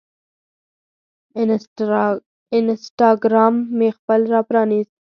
انسټاګرام مې خپل راپرانیست